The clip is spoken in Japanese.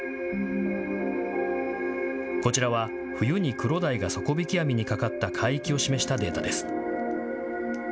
こちらは冬にクロダイが底引き網にかかった海域を示したデータです。